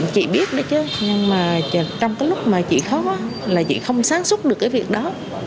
chị biết đó chứ nhưng mà trong cái lúc mà chị khó là chị không sáng xuất được cái việc đó